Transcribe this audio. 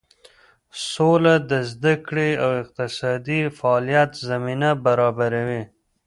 سوله د زده کړې او اقتصادي فعالیت زمینه برابروي.